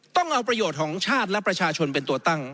ต้องเอาประโยชน์ของชาติและประชาชนเป็นตัวตั้ง